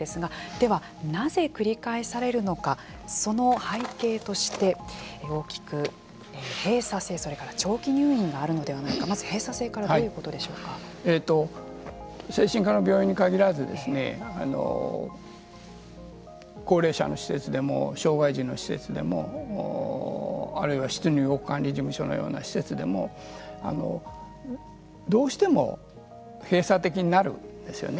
では、なぜ繰り返されるのかその背景として大きく閉鎖性それから長期入院があるのではないかとまず閉鎖性から精神科病院に限らず高齢者の施設でも障害児の施設でもあるいは出入国管理事務所のような施設でもどうしても閉鎖的になるんですよね。